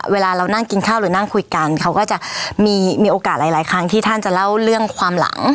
เวลาเรานั่งกินข้าวหรือนั่งคุยกันเขาก็จะมีโอกาสหลายครั้งที่ท่านจะเล่าเรื่องความหลัง